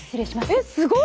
えっすごい。